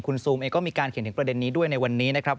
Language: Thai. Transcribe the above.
คุณซูมเองก็มีการเขียนถึงประเด็นนี้ด้วยในวันนี้นะครับ